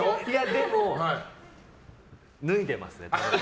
でも、脱いでますね。